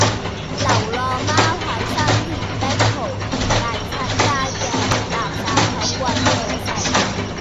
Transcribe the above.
流浪貓喺新田碧豪苑第七街嘅垃圾桶搵野食